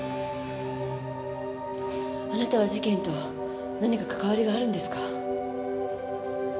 あなたは事件と何か関わりがあるんですか？